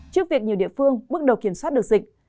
trước việc nhiều địa phương bước đầu kiểm soát được dịch